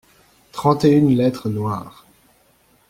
Trente et une lettres noires.